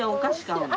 うん。